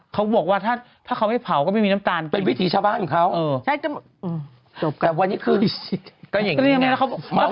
เขาบอกว่าถ้าเขาไม่เผาก็ไม่มีน้ำตาลเป็นวิถีชาวบ้านของเขา